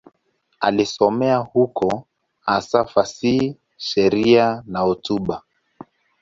Alisomea huko, hasa fasihi, sheria na hotuba.